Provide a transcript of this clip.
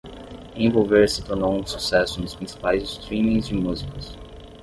Envolver se tornou um sucesso nos principais streamings de músicas